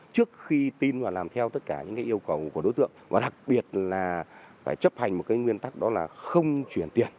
trước khi tin và làm theo tất cả những yêu cầu của đối tượng và đặc biệt là phải chấp hành một cái nguyên tắc đó là không chuyển tiền